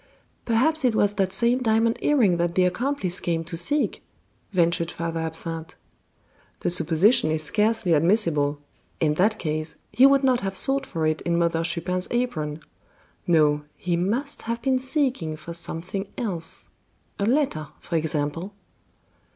"Perhaps it was that same diamond earring that the accomplice came to seek," ventured Father Absinthe. "The supposition is scarcely admissible. In that case, he would not have sought for it in Mother Chupin's apron. No, he must have been seeking for something else a letter, for example."